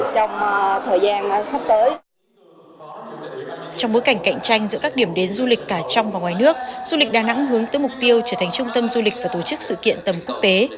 trong bối cảnh cạnh tranh giữa các điểm đến du lịch cả trong và ngoài nước du lịch đà nẵng hướng tới mục tiêu trở thành trung tâm du lịch và tổ chức sự kiện tầm quốc tế